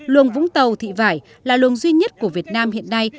luồng vũng tàu thị vải là luồng duy nhất của việt nam hiện nay